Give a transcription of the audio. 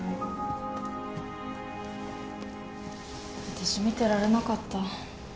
あたし見てられなかった。